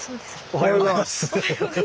おはようございます。